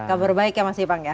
kabar baik ya mas ipang ya